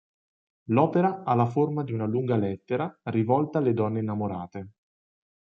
L'opera ha la forma di una lunga lettera, rivolta alle donne innamorate.